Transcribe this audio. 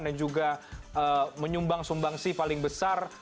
dan juga menyumbang sumbangsi paling besar